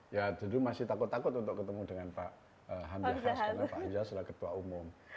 ya dulu masih takut takut untuk ketemu dengan pak hamdiahas karena pak ijas adalah ketua umum